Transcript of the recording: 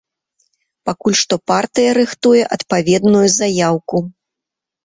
Пакуль што партыя рыхтуе адпаведную заяўку.